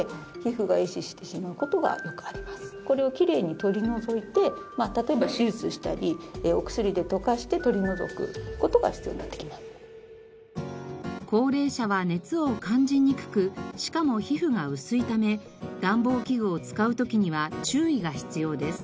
これをきれいに取り除いて高齢者は熱を感じにくくしかも皮膚が薄いため暖房器具を使う時には注意が必要です。